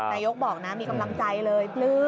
นายกบอกนะมีกำลังใจเลย